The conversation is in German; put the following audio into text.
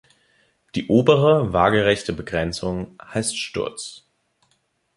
Die obere waagerechte Begrenzung heißt Sturz.